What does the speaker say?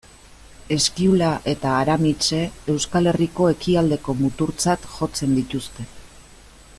Eskiula eta Aramitse, Euskal Herriko ekialdeko muturtzat jotzen dituzte.